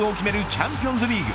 チャンピオンズリーグ